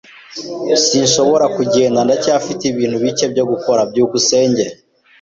Sinshobora kugenda. Ndacyafite ibintu bike byo gukora. byukusenge